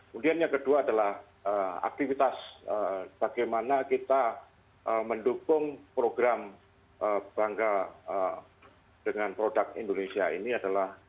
kemudian yang kedua adalah aktivitas bagaimana kita mendukung program bangga dengan produk indonesia ini adalah